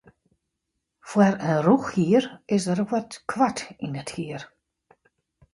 Foar in rûchhier is er wat koart yn it hier.